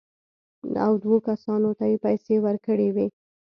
او دوو کسانو ته یې پېسې ورکړې وې.